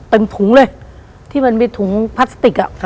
ถุงเลยที่มันมีถุงพลาสติก